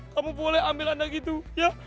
kamu boleh ambil anak itu ya